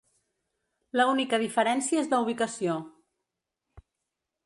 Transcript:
La única diferència és la ubicació.